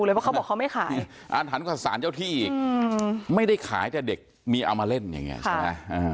เพราะเขาบอกเขาไม่ขายอาถรรพ์กับสารเจ้าที่อีกไม่ได้ขายแต่เด็กมีเอามาเล่นอย่างนี้ใช่ไหม